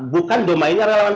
bukan domainya relawan